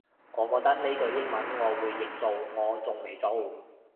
我覺得呢句英文我會譯做我仲未做